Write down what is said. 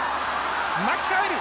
巻き替える。